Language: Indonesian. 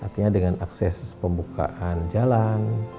artinya dengan akses pembukaan jalan